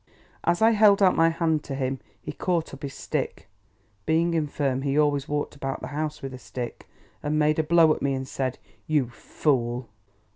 As I held out my hand to him, he caught up his stick (being infirm, he always walked about the house with a stick), and made a blow at me, and said, "You fool!"